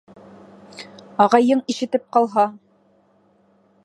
Ағайың ишетеп ҡалһа!